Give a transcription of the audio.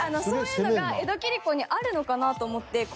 そういうのが江戸切子にあるのかなと思って。